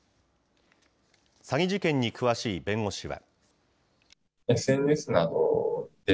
詐欺事件に詳しい弁護士は。